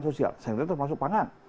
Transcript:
sosial saya ingin termasuk pangan